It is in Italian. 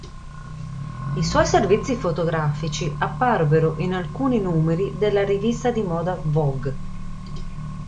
I suoi servizi fotografici apparvero in alcuni numeri della rivista di moda "Vogue".